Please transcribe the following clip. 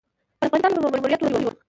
د افغانستان لپاره په ماموریت وتلی وم.